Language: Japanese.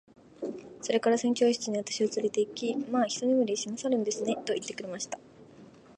それから船長室に私をつれて行き、「まあ一寝入りしなさるんですね。」と言ってくれました。